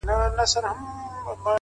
د ژوندون ساه او مسيحا وړي څوك؛